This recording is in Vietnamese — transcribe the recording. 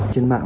trên mạng ạ